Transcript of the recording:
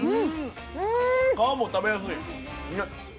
皮も食べやすいね。